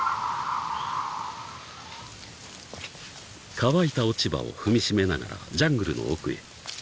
［乾いた落ち葉を踏みしめながらジャングルの奥へ］